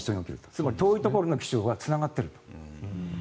つまり遠いところの気象がつながっている。